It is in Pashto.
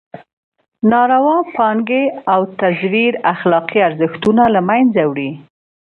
ناروا پانګې او تزویر اخلاقي ارزښتونه له مېنځه وړي.